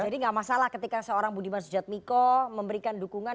jadi gak masalah ketika seorang budiman sujatmiko memberikan dukungan